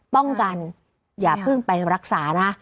ป้องกันอย่าเพิ่งไปรักษานะ